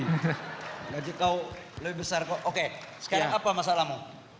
berarti kau lebih besar kok oke sekarang apa masalahmu